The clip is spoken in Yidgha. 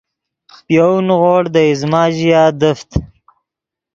پے یَؤْ نیغوڑ دے ایزمہ ژیا دیفت